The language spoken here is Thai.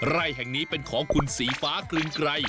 ไร่แห่งนี้เป็นของคุณสีฟ้ากลืนไกร